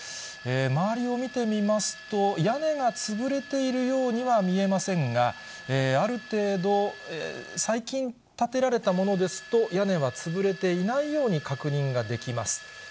周りを見てみますと、屋根が潰れているようには見えませんが、ある程度、最近建てられたものですと、屋根は潰れていないように確認ができます。